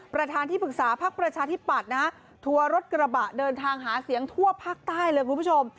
ประธานที่ปรึกษาพักประชาธิปัตย์นะฮะทัวร์รถกระบะเดินทางหาเสียงทั่วภาคใต้เลยคุณผู้ชม